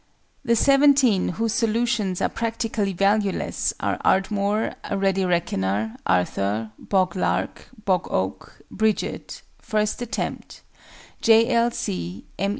The seventeen whose solutions are practically valueless are ARDMORE, A READY RECKONER, ARTHUR, BOG LARK, BOG OAK, BRIDGET, FIRST ATTEMPT, J. L. C., M.